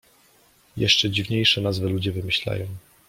Jeszcze dziwniejsze nazwy ludzie wymyślają